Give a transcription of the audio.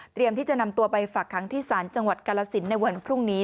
เตรียมที่จะนำตัวไปฝากที่ศาลจังหวัดกรสินทร์ในวันพรุ่งนี้